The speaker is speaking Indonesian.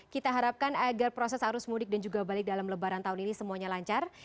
kita harapkan agar proses arus mudik dan juga balik dalam lebaran tahun ini semuanya lancar